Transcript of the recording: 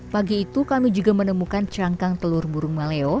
pagi itu kami juga menemukan cangkang telur burung maleo